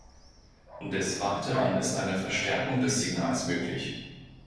Des Weiteren ist eine Verstärkung des Signals möglich.